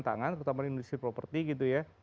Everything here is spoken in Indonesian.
tangan terutama di industri properti gitu ya